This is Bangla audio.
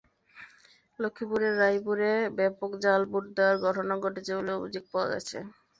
লক্ষ্মীপুরের রায়পুরে ব্যাপক জাল ভোট দেওয়ার ঘটনা ঘটেছে বলে অভিযোগ পাওয়া গেছে।